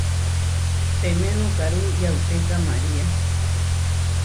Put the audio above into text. Teemé nokáru yauteka María.